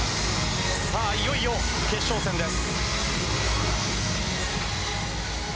いよいよ決勝戦です。